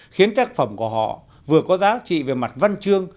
khiến tác phẩm của họ vừa có giá trị về mặt văn chương